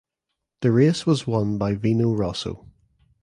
The race was won by Vino Rosso.